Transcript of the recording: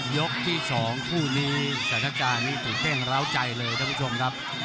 ยกที่สองคู่นี้สนักจานี่ถูกเต้นร้าวใจเลยท่านผู้ชมครับ